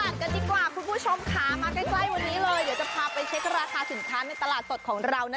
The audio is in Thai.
กันดีกว่าคุณผู้ชมค่ะมาใกล้วันนี้เลยเดี๋ยวจะพาไปเช็คราคาสินค้าในตลาดสดของเรานะ